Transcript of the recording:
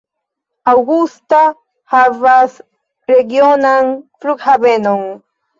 Augusta havas regionan flughavenon.